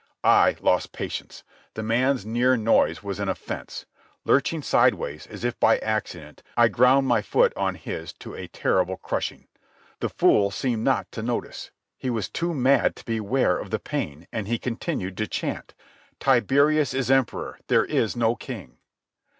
I lost patience. The man's near noise was an offence. Lurching sidewise, as if by accident, I ground my foot on his to a terrible crushing. The fool seemed not to notice. He was too mad to be aware of the pain, and he continued to chant: "Tiberius is emperor; there is no king!"